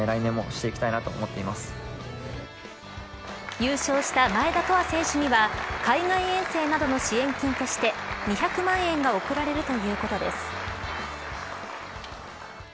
優勝した前田透空選手には海外遠征などの支援金として２００万円が贈られるということです。